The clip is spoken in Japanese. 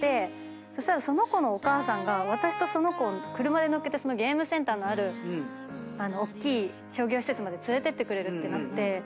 そしたらその子のお母さんが私とその子を車で乗っけてそのゲームセンターのあるおっきい商業施設まで連れてってくれるってなって。